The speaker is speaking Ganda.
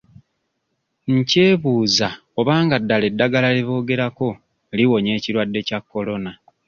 Nkyebuuza oba nga ddala eddagala lye boogerako liwonya ekirwadde kya Corona.